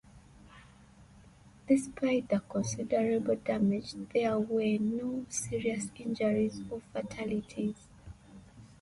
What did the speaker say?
Despite the considerable damage, there were no serious injuries or fatalities.